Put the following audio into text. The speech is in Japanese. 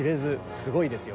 すごいですよ